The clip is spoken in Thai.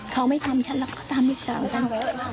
เขาไม่ทำฉันแล้วก็ทำอีกสามฉัน